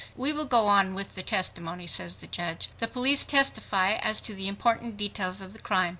"We will go on with the testimony," says the judge. The police testify as to the important details of the crime.